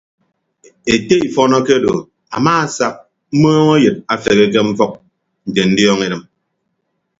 Ete ifọn akedo amaasak mmọọñọyịd afeghe ke mfʌk nte ndiọñ edịm.